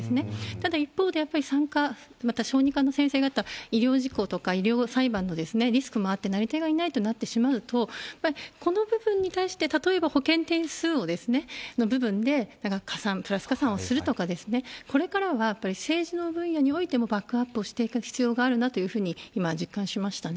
ただ一方で、やっぱり産科、また小児科の先生方、医療事故とか医療裁判のリスクもあってなり手がいないとなってしまうと、やっぱりこの部分に対して、例えば保険点数の部分で加算、プラス加算をするとか、これからはやっぱり政治の分野においてもバックアップをしていく必要があるなというふうに、今、実感しましたね。